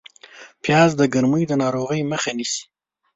پیاز د ګرمۍ د ناروغیو مخه نیسي